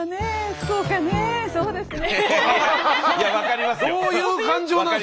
そうですね。